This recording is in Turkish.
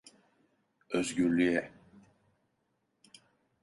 Özgürlüğe…